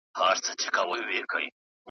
شیخه قول دي پر ځای کړ نن چي سره لاسونه ګرځې .